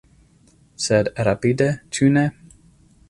Sed rapide, ĉu ne?